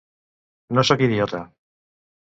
No sóc idiota.